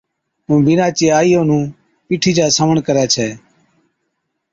ائُون بِينڏا چِي آئِي اونَھُون پِيٺِي چا سنوَڻ ڪرَي ڇَي